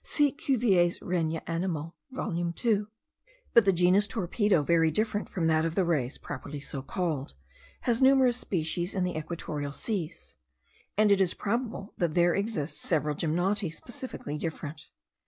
See Cuvier's Regne Animal volume 2. But the genus Torpedo, very different from that of the rays properly so called, has numerous species in the equatorial seas; and it is probable that there exist several gymnoti specifically different.